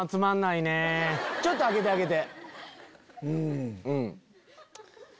ちょっと開けてあげて。